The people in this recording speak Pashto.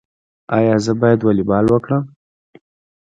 ایا زه باید والیبال وکړم؟